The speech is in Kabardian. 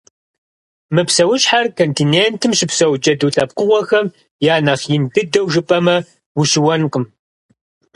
Мы псэущхьэр континентым щыпсэу джэду лъэпкъыгъуэхэм я нэхъ ин дыдэу жыпӏэми, ущыуэнкъым.